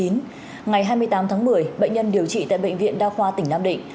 ngày hai mươi tám tháng một mươi bệnh nhân điều trị tại bệnh viện đa khoa tỉnh nam định